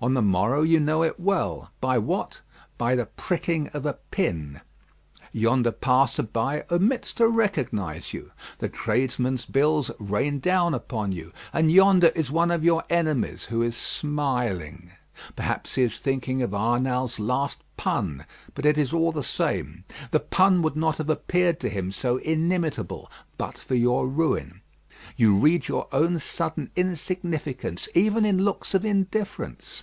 On the morrow you know it well. By what? By the pricking of a pin. Yonder passer by omits to recognise you; the tradesmen's bills rain down upon you; and yonder is one of your enemies, who is smiling. Perhaps he is thinking of Arnal's last pun; but it is all the same. The pun would not have appeared to him so inimitable but for your ruin. You read your own sudden insignificance even in looks of indifference.